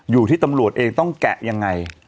อยู่ที่ตำรวจเองต้องแกะยังไง